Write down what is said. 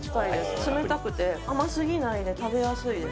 冷たくて、甘すぎないで食べやすいです。